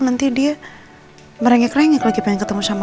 nanti dia merenggak renggak lagi pengen ketemu sama